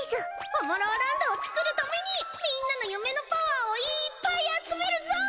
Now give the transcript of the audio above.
オモローランドをつくるためにみんなの夢のパワーをいっぱい集めるぞ！